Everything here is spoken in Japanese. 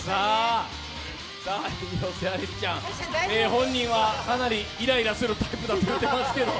広瀬アリスちゃん、本人はかなりイライラするタイプだと言ってますけど？